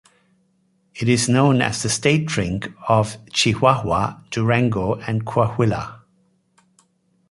It is known as the state drink of Chihuahua, Durango and Coahuila.